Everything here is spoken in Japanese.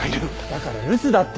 だから留守だって。